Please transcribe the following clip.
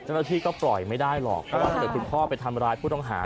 เจ้าหน้าที่ก็ปล่อยไม่ได้หรอกเพราะว่าถ้าเกิดคุณพ่อไปทำร้ายผู้ต้องหา